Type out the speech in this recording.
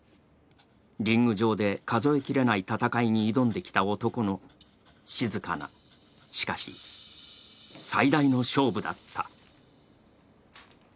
リング上で数え切れない戦いに挑んできた男の静かな、しかし最大の勝負だった。